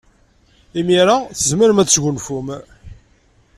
Imir-a, tzemrem ad tesgunfum.